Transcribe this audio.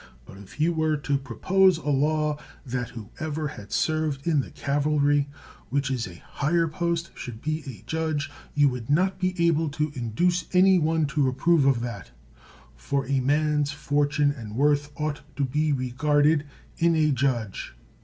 But if you were to propose a law, that whoever had served in the cavalry, which is a higher post, should be a judge, you would not be able to induce any one to approve of that ; for a man's fortune and worth ought to be regarded in a judge.